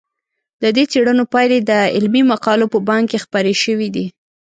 د دې څېړنو پایلې د علمي مقالو په بانک کې خپرې شوي دي.